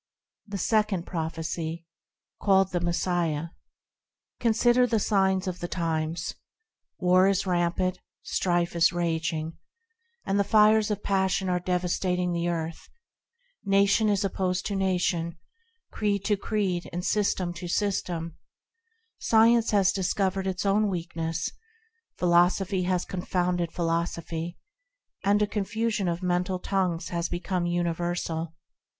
The Second Prophecy, called the Messiah CONSIDER the signs of the times: War is rampant, strife is raging, And the fires of passion are devastating the earth ; Nation is opposed to nation, creed to creed and system to system : Science has discovered its own weakness, Philosophy has confounded philosophy, And a confusion of mental tongues has become universal.